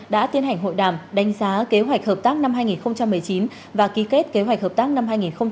đã tiến hành hội đàm đánh giá kế hoạch hợp tác năm hai nghìn một mươi chín và ký kết kế hoạch hợp tác năm hai nghìn hai mươi